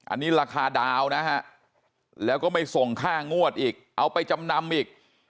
อันนี้ราคาดาวนะฮะแล้วก็ไม่ส่งค่างวดอีกเอาไปจำนำอีก